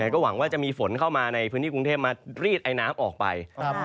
ก็หวังว่าจะมีฝนเข้ามาในพื้นที่กรุงเทพมารีดไอน้ำออกไป